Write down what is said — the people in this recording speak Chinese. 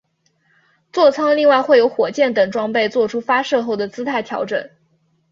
坐舱另外会有火箭等装备作出发射后的姿态调整。